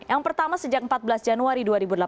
yang pertama sejak empat belas januari dua ribu delapan belas